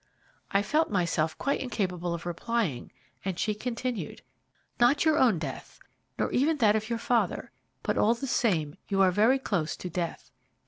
"I felt myself quite incapable of replying, and she continued: "'Not your own death, nor even that of your father, but all the same you are very close to death.